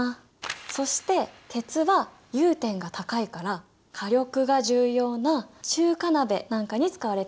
そして鉄は融点が高いから火力が重要な中華鍋なんかに使われているんだ。